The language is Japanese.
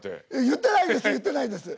言ってないです言ってないです。